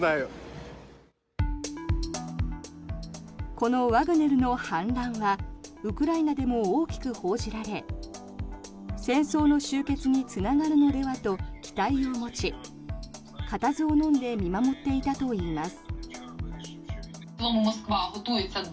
このワグネルの反乱はウクライナでも大きく報じられ戦争の終結につながるのではと期待を持ちかたずをのんで見守っていたといいます。